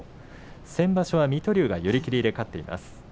先場所は水戸龍が寄り切りで勝っています。